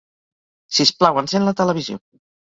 Sisplau, encén la televisió.